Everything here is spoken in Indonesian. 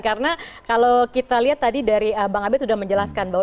karena kalau kita lihat tadi dari bang abed sudah menjelaskan bahwa